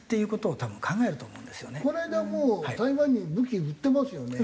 この間もう台湾に武器売ってますよね？